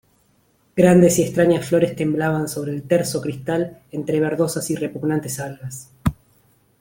grandes y extrañas flores temblaban sobre el terso cristal entre verdosas y repugnantes algas.